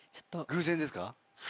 偶然ですか？